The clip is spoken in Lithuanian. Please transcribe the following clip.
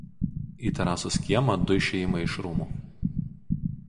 Į terasos kiemą du išėjimai iš rūmų.